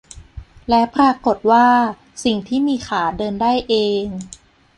และปรากฏว่า สิ่งที่มีขาเดินได้เอง